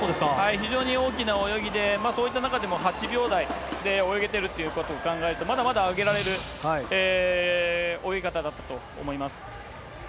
非常に大きな泳ぎで、そういった中でも８秒台で泳げてるということを考えると、まだまだ上げられる泳ぎ方だったと思います。